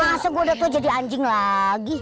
masa gua udah tau jadi anjing lagi